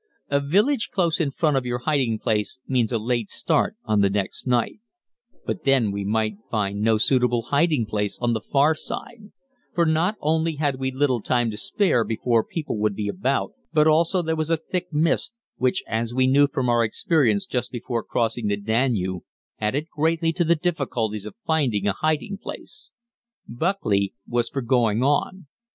A village close in front of your hiding place means a late start on the next night; but then we might find no suitable hiding place on the far side for not only had we little time to spare before people would be about, but also there was a thick mist, which, as we knew from our experience just before crossing the Danube, added greatly to the difficulties of finding a hiding place. Buckley was for going on.